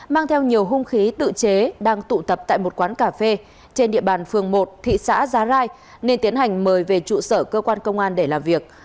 mang theo nhiều hung khí tự chế đang tụ tập tại một quán cà phê trên địa bàn phường một thị xã giá rai nên tiến hành mời về trụ sở cơ quan công an để làm việc